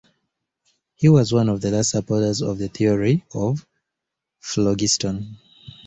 He was one of the last supporters of the theory of phlogiston.